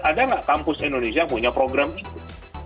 ada nggak kampus indonesia yang punya program itu